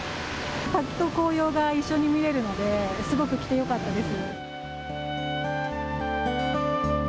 滝と紅葉が一緒に見られるのですごく来てよかったです。